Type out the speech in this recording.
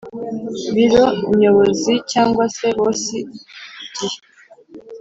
Biro nyobozi cyangwa bose igihe